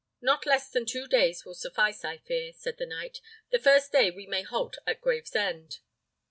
"Not less than two days will suffice, I fear," said the knight; "the first day we may halt at Gravesend."